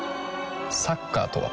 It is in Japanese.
サッカーとは？